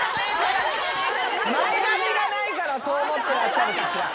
前髪がないからそう思ってらっしゃるかしら。